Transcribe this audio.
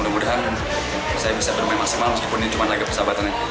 mudah mudahan saya bisa bermain maksimal meskipun ini cuma lagu persahabatannya